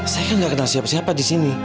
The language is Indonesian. saya kan gak kenal siapa siapa disini